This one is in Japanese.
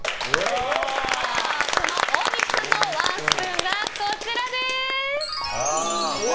大西さんのワンスプーンがこちらです。